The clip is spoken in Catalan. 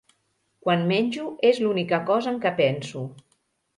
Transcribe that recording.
Quan menjo, és l'única cosa en què penso.